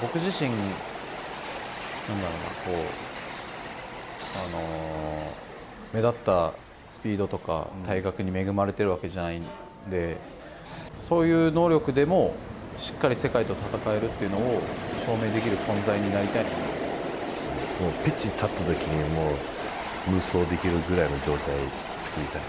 僕自身目立ったスピードとか体格に恵まれているわけじゃないのでそういう能力でもしっかり世界と戦えるというのをピッチに立ったときに夢想できるぐらいの状態を作りたい。